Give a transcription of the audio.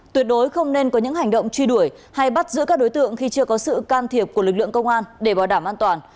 tuyệt đối không nên có những hành động truy đuổi hay bắt giữ các đối tượng khi chưa có sự can thiệp của lực lượng công an để bảo đảm an toàn